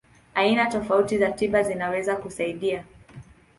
Aina tofauti za tiba zinaweza kusaidia.